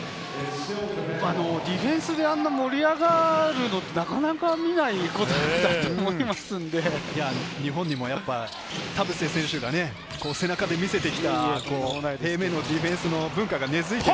ディフェンスであんなに盛り上がるのってなかなか見ないことだと思いますので、日本にも田臥選手が背中で見せてきた平面のディフェンスの文化が根付いている。